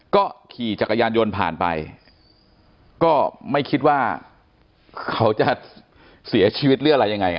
ก็ขี่จักรยานยนต์ผ่านไปก็ไม่คิดว่าเขาจะเสียชีวิตหรืออะไรยังไง